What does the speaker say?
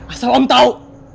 asal om tau